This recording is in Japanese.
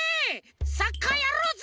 サッカーやろうぜ！